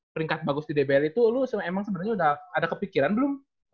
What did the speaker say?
peringkat bagus di dbl itu lu emang sebenarnya udah ada kepikiran belum